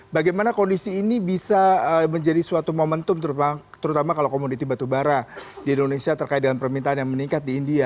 bagaimana kondisi ini bisa menjadi suatu momentum terutama kalau komoditi batubara di indonesia terkait dengan permintaan yang meningkat di india